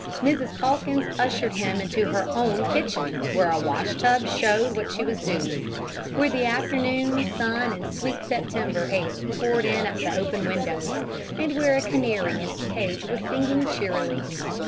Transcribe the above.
Mrs. Calkins ushered him into her own kitchen, where a wash tub showed what she was doing, where the afternoon sun and sweet September air poured in at the open windows, and where a canary in its cage was singing cheerily.